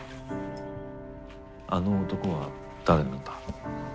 あの男は誰なんだ。